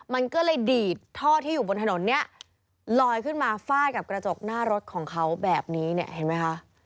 มันก็เลยดีดท่อที่อยู่บนถนนเนี่ยลอยขึ้นมาฟาดกับกระจกหน้ารถของเขาแบบนี้เนี่ยเห็นไหมคะ